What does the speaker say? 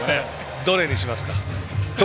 ドレにしますか？